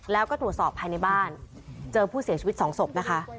แล้วก็ตรวจสอบภายในบ้านเจอผู้เสียชีวิต๒ศพนะคะ